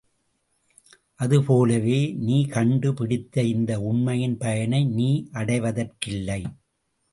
அது போலவே, நீ கண்டு பிடித்த இந்த உண்மையின் பயனை நீ அடைவதற்கில்லை.